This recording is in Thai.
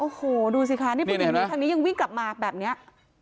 โอ้โหดูสิค่ะทางนี้ยังวิ่งกลับมาแบบเนี้ย